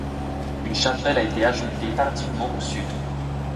Une chapelle a été ajoutée tardivement au sud.